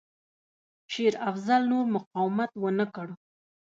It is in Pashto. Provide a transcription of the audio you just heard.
شېر افضل نور مقاومت ونه کړ.